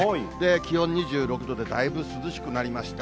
気温２６度で、だいぶ涼しくなりました。